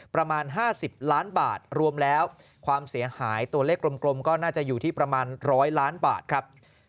ประมาณ๕๐ล้านบาทรวมแล้วความเสียหายตัวเลขกลมก็น่าจะอยู่ที่ประมาณ๑๐๐ล้านบาทครับ